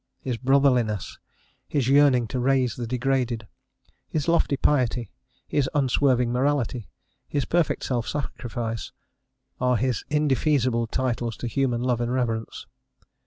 His brotherliness, his yearning to raise the degraded, his lofty piety, his unswerving morality, his perfect self sacrifice, are his indefeasible titles to human love and reverence.